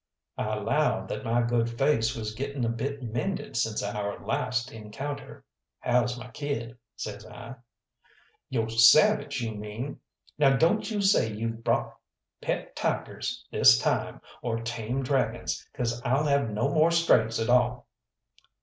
I allowed that my good face was getting a bit mended since our last encounter. "How's my kid?" says I. "Yo' savage, you mean. Now don't you say you've brought pet tigers this time, or tame dragons, 'cause I'll have no more strays at all."